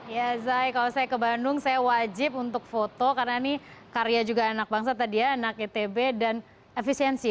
ya zai kalau saya ke bandung saya wajib untuk foto karena ini karya juga anak bangsa tadi ya anak itb dan efisiensi